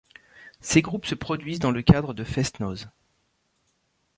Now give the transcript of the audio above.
Ces groupes se produisent dans le cadre de fest-noz.